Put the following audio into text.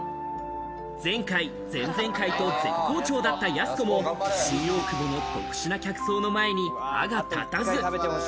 前回、前々回と絶好調だった、やす子も新大久保の特殊な客層の前に歯が立たず。